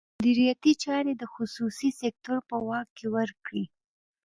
مدیریتي چارې د خصوصي سکتور په واک کې ورکړي.